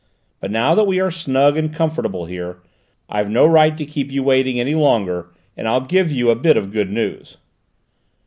But now that we are snug and comfortable here, I've no right to keep you waiting any longer, and I'll give you a bit of good news."